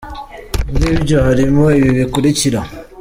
Muri byo harimo ibi bikurikira :.